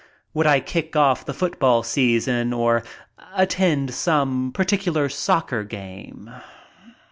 Would I kick off the football season or attend some particular socker game?